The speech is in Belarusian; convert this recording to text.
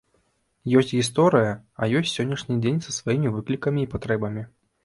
Ёсць гісторыя, а ёсць сённяшні дзень са сваімі выклікамі і патрэбамі.